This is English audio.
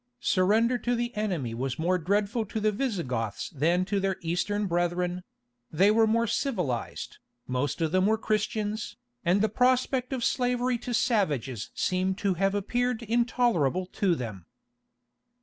Surrender to the enemy was more dreadful to the Visigoths than to their eastern brethren; they were more civilized, most of them were Christians, and the prospect of slavery to savages seems to have appeared intolerable to them.